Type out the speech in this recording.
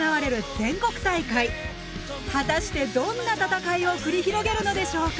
果たしてどんな戦いを繰り広げるのでしょうか？